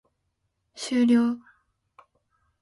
終了